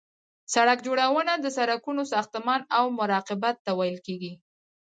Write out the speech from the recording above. سرک جوړونه د سرکونو ساختمان او مراقبت ته ویل کیږي